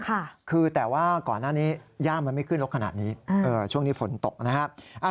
ค่ะคือแต่ว่าก่อนหน้านี้ย่ามันไม่ขึ้นแล้วขนาดนี้ช่วงนี้ฝนตกนะครับ